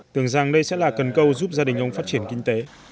tưởng rằng đây sẽ là cần câu giúp gia đình ông phát triển kinh tế